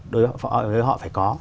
đối với họ phải có